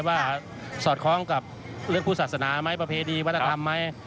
สอดคล้องกับเรื่องคู่ศาสนาไหมประเพณีวัฒนธรรมไหม